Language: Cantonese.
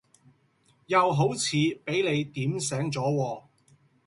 又好似俾你點醒左喎